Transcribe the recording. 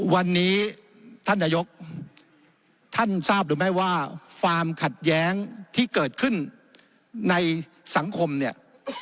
วันนี้ท่านนายกท่านทราบหรือไม่ว่าความขัดแย้งที่เกิดขึ้นในสังคมเนี่ย